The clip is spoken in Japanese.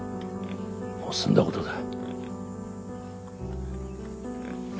もう済んだことだ。